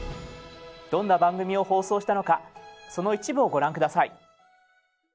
どんな番組を放送したのかその一部をご覧下さい。